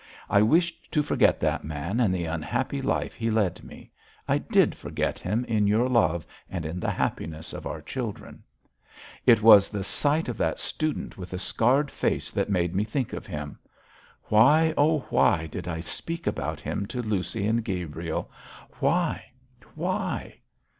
I wished to forget that man and the unhappy life he led me. I did forget him in your love and in the happiness of our children. It was the sight of that student with the scarred face that made me think of him. Why, oh, why did I speak about him to Lucy and Gabriel? Why? Why?'